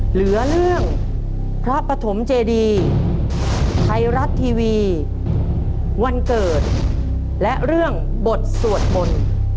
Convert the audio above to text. เหลือเรื่องพระปฐมเจดีไทยรัฐทีวีวันเกิดและเรื่องบทสวดมนต์